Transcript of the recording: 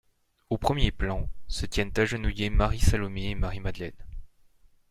Au premier plan, se tiennent agenouillées Marie Salomé et Marie-Madeleine.